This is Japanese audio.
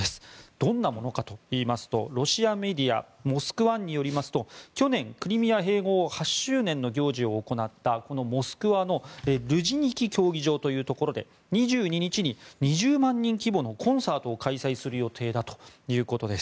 どんなものかといいますとロシアメディアＭＳＫ１によりますと去年、クリミア併合８周年の行事を行ったこのモスクワのルジニキ競技場というところで２２日に２０万人規模のコンサートを開催する予定だということです。